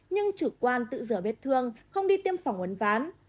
nhưng chủ quan tự rửa vết thương không đi tiêm phỏng uốn ván